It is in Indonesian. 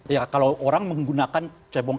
ya kalau orang menggunakan cebong